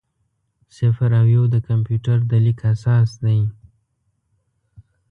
صفر او یو د کمپیوټر د لیک اساس دی.